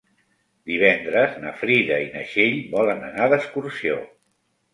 Divendres na Frida i na Txell volen anar d'excursió.